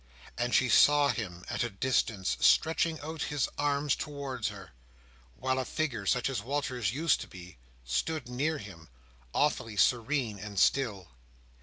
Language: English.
And she saw him at a distance stretching out his arms towards her, while a figure such as Walter's used to be, stood near him, awfully serene and still.